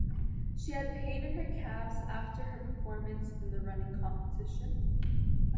She had pain in her calves after her performance in the running competition.